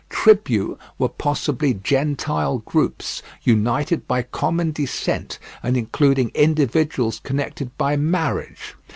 "Tribu" were possibly gentile groups, united by common descent, and included individuals connected by marriage.